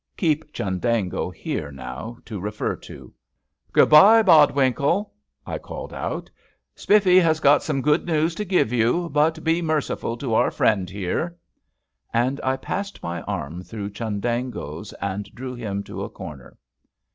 Keep Chundango here now to refer to. Good bye, Bodwinkle," I called out; "Spiffy has got some good news to give you, but be merciful to our friend here," and I passed my arm through Chundango's and drew him to a corner.